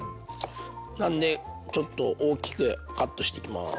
なんでちょっと大きくカットしていきます。